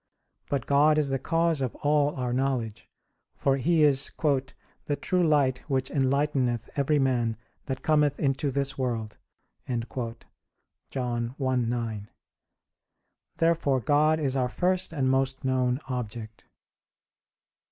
But God is the cause of all our knowledge; for He is "the true light which enlighteneth every man that cometh into this world" (John 1:9). Therefore God is our first and most known object.